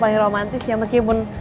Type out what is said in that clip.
paling romantis ya meskipun